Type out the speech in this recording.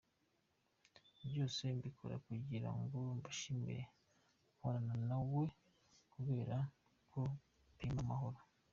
Byose mbikora kugira ngo mushimishe, mporana na we kubera ko bimpa amahoro.